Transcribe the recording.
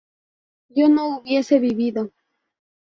yo no hubiese vivido